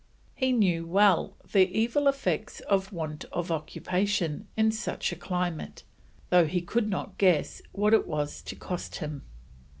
He knew well the evil effects of want of occupation in such a climate, though he could not guess what it was to cost him.